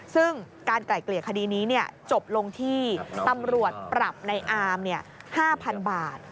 ซึ่งการไกล่เกลี่ยคดีนี้จบลงที่ตำรวจปรับในอาม๕๐๐๐บาท